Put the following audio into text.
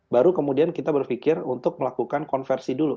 baru kemudian kita berpikir untuk melakukan konversi dulu